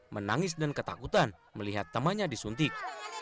menangis dan ketakutan melihat temannya disuntik